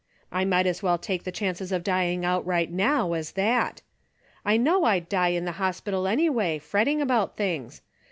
I might as well take the chances of dying outright now as that. I know I'd die in the hospital anyway, fretting about things.